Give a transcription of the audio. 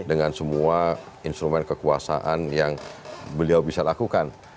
dan itu adalah instrumen kekuasaan yang beliau bisa lakukan